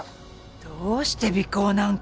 どうして尾行なんか！